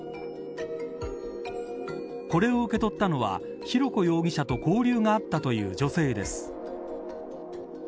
これを受け取ったのは浩子容疑者と交流があったという女性です。